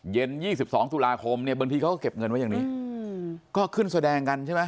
เย็น๒๒ตุลาคมเนี่ยบางทีเขาก็เก็บเงินไว้อย่างนี้ก็ขึ้นแสดงกันใช่ไหม